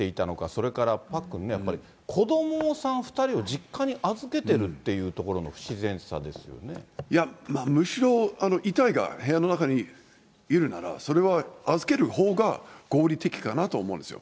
それからパックンね、やっぱり子どもさん２人を実家に預けてるってところの不自然さでむしろ遺体が部屋の中にいるなら、それは預けるほうが合理的かなと思うんですよ。